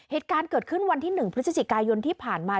เหตุการณ์เกิดขึ้นวันที่๑พฤศจิกายนที่ผ่านมา